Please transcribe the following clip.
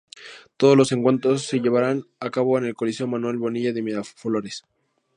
Todos los encuentros se llevarán a cabo en el Coliseo Manuel Bonilla de Miraflores.